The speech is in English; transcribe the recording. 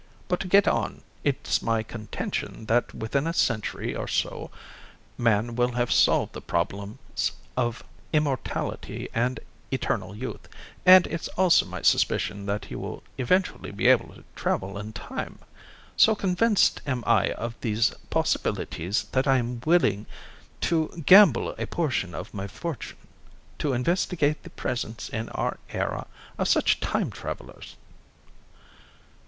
But to get on. It's my contention that within a century or so man will have solved the problems of immortality and eternal youth, and it's also my suspicion that he will eventually be able to travel in time. So convinced am I of these possibilities that I am willing to gamble a portion of my fortune to investigate the presence in our era of such time travelers."